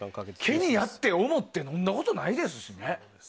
ケニアって思って飲んだことないですしね。